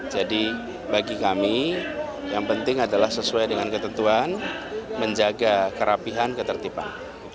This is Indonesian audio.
jadi bagi kami yang penting adalah sesuai dengan ketentuan menjaga kerapihan ketertiban